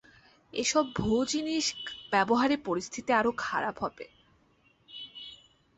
এসব ভুয়ো জিনিস ব্যবহারে পরিস্থিতি আরো খারাপ হবে।